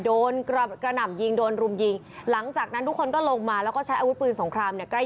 โดนกระหน่ำยิงโดนรุมยิงหลังจากนั้นทุกคนก็ลงมาแล้วก็ใช้อาวุธปืนสงครามเนี่ยใกล้